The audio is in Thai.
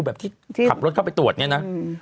แบบที่ขับรถเข้าไปตรวจเนี่ยนะ